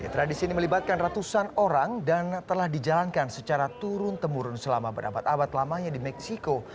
tradisi ini melibatkan ratusan orang dan telah dijalankan secara turun temurun selama berabad abad lamanya di meksiko